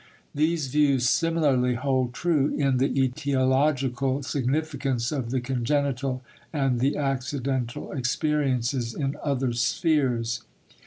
These views similarly hold true in the etiological significance of the congenital and the accidental experiences in other spheres.